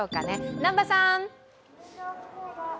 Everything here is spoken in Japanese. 南波さん。